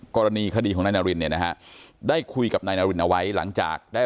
กรณีคดีของนายนารินเนี่ยนะฮะได้คุยกับนายนารินเอาไว้หลังจากได้